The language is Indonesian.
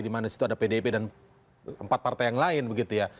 dimana disitu ada pdip dan empat partai yang lain begitu ya